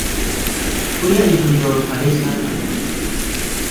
ᱩᱱᱤᱭᱟᱜ ᱧᱩᱛᱩᱢ ᱫᱚ ᱠᱷᱟᱰᱮᱭᱥᱦᱟ ᱠᱟᱱᱟ᱾